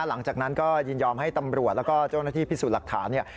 หลังจากนั้นก็ยินยอมให้ตำรวจแล้วก็เจ้าหน้าที่พิสูจน์หลักฐานเนี่ย